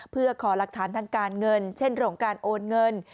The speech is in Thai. เพื่อขอหลักฐานทางการเงินเช่นเรื่องของการโอนเงิน